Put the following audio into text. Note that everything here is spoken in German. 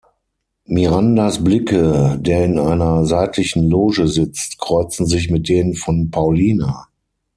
Mirandas Blicke, der in einer seitlichen Loge sitzt, kreuzen sich mit denen von Paulina.